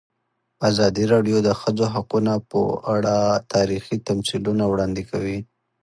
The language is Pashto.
ازادي راډیو د د ښځو حقونه په اړه تاریخي تمثیلونه وړاندې کړي.